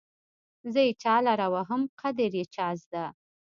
زه يې چالره وهم قدر يې چازده